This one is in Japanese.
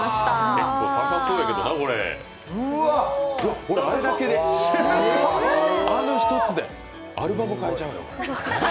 結構高そうやけどな、あれ１つでアルバム買えちゃうよ。